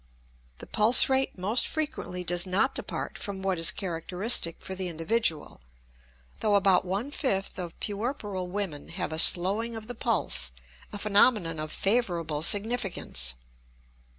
The pulse rate most frequently does not depart from what is characteristic for the individual, though about one fifth of puerperal women have a slowing of the pulse, a phenomenon of favorable significance.